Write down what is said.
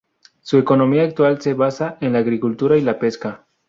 Su economía actual se basa en la agricultura y la pesca.